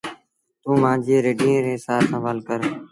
توٚنٚ مآݩجيٚ رڍينٚ ريٚ سآر سنڀآر ڪر۔